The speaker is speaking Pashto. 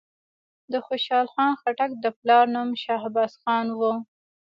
د خوشحال خان خټک د پلار نوم شهباز خان وو.